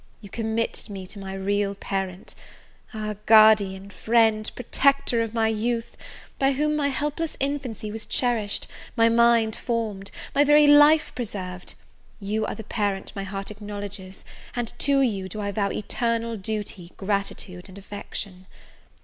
You commit me to my real parent, Ah, Guardian, Friend, Protector of my youth, by whom my helpless infancy was cherished, my mind formed, my very life preserved, you are the Parent my heart acknowledges, and to you do I vow eternal duty, gratitude, and affection!